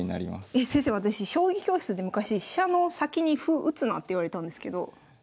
えっ先生私将棋教室で昔飛車の先に歩打つなって言われたんですけどいいんですか？